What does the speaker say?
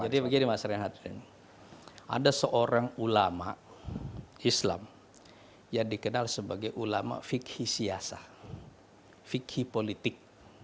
jadi begini mas renhat ada seorang ulama islam yang dikenal sebagai ulama fikih siasat fikih politik